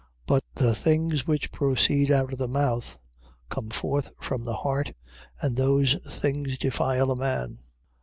15:18. But the things which proceed out of the mouth, come forth from the heart, and those things defile a man.